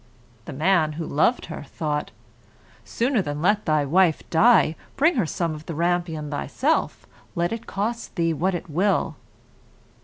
The man, who loved her, thought, "Sooner than let your wife die, bring her some of the rampion yourself, let it cost you what it will."